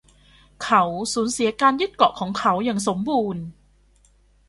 เขาสูญเสียการยึดเกาะของเขาอย่างสมบูรณ์